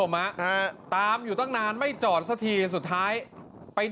คนเรามาต้องมีน้ำใจกันบ้างสิพี่